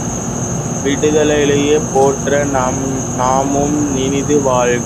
விடுதலேயைப் பெற்ற நாமும் இனிது வாழ்க.